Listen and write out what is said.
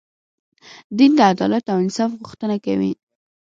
دین د عدالت او انصاف غوښتنه کوي.